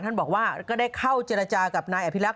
บอกว่าก็ได้เข้าเจรจากับนายอภิรักษ